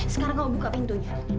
sekarang kamu buka pintunya